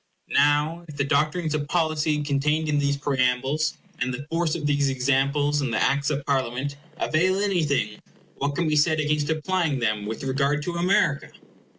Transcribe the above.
Now if the doctrines of policy contained in these preambles, and the force of these examples in the Acts of Parliaments, avail anything, what can be said against applying them with regard to America?